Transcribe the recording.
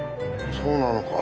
そうなのか。